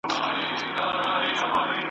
زه ریشتیا په عقل کم یمه نادان وم !.